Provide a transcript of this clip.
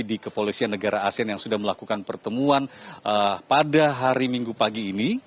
di kepolisian negara asean yang sudah melakukan pertemuan pada hari minggu pagi ini